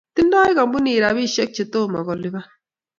Tindoi kampunit rapishiek che tomo kolipan